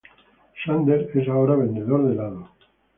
Xander es ahora vendedor de helados.